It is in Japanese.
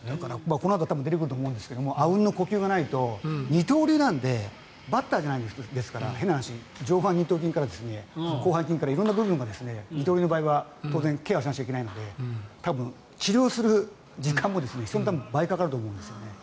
このあと出てくると思いますがあうんの呼吸がないと二刀流なのでバッターじゃないですから変な話上腕二頭筋から広背筋から色んな部分が二刀流の場合は当然ケアしないといけないので多分、治療する時間も人の倍かかると思うんです。